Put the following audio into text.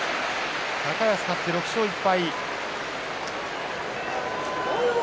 高安、勝って６勝１敗。